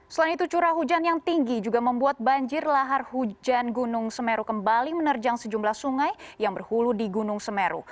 selain itu curah hujan yang tinggi juga membuat banjir lahar hujan gunung semeru kembali menerjang sejumlah sungai yang berhulu di gunung semeru